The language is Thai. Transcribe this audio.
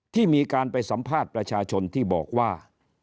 ที่มีการไปสัมภาษณ์ประชาชนที่บอกว่า